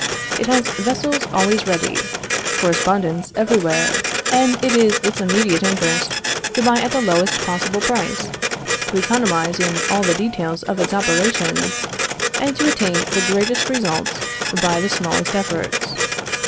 It has vessels always ready, correspondents everywhere; and it is its immediate interest to buy at the lowest possible price, to economize in all the details of its operations, and to attain the greatest results by the smallest efforts.